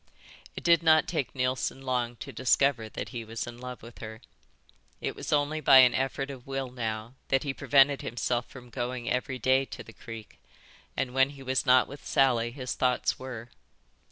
It did not take Neilson long to discover that he was in love with her. It was only by an effort of will now that he prevented himself from going every day to the creek, and when he was not with Sally his thoughts were.